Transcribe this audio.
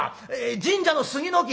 「神社の杉の木」。